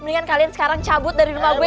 mendingan kalian sekarang cabut dari rumah gue